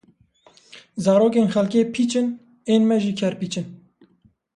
Zarokên xelkê pîç in ên me jî kerpîç in.